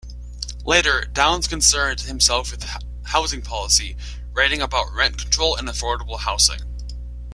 Later, Downs concerned himself with housing policy, writing about rent control and affordable housing.